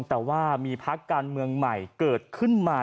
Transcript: แต่ว่ามีพักการเมืองใหม่เกิดขึ้นมา